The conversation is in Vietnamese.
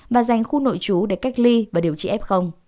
và dành khu nội chú để cách ly và điều trị f